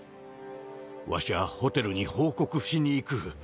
わしはホテルに報告しに行く。